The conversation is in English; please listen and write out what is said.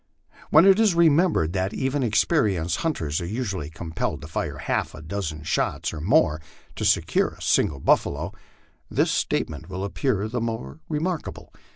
When it is remembered that even experienced hunters are usually compelled to fire half a dozen shots or more to secure a single buffalo, this statement will appear the more remarka ble.